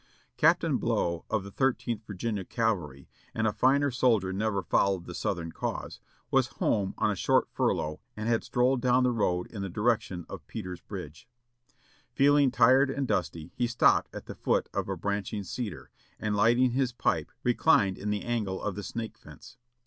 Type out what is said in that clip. Captain Blow, of the Thirteenth Virginia Cavalry, and a finer soldier never followed the Southern cause, was home on a short furlough and had strolled down the road in the direction of Peter's Bridge. Feeling tired and dusty, he stopped at the foot of a branching cedar, and lighting his pipe, reclined in the angle of the snake fence.